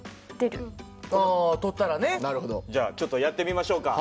じゃあちょっとやってみましょうか。